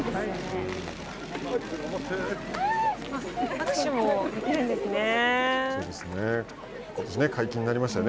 握手もできるんですね。